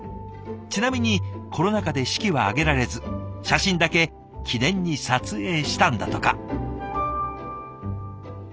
ちなみにコロナ禍で式は挙げられず写真だけ記念に撮影したんだとか。